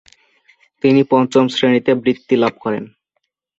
তিনি পঞ্চম শ্রেণীতে বৃত্তি লাভ করেন।